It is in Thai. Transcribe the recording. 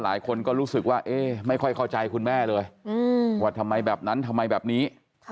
หลายคนก็รู้สึกว่าเอ๊ะไม่ค่อยเข้าใจคุณแม่เลยว่าทำไมแบบนั้นทำไมแบบนี้